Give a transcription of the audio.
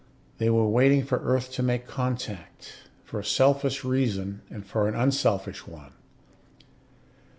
They were waiting for Earth to make contact, for a selfish reason and for an unselfish one.